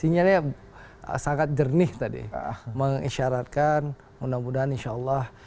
sinyalnya sangat jernih tadi mengisyaratkan mudah mudahan insya allah